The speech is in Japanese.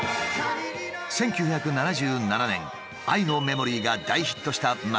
１９７７年「愛のメモリー」が大ヒットした松崎さん。